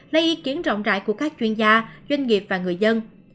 lấy ý kiến rộng rãi của các chuyên gia doanh nghiệp và người dân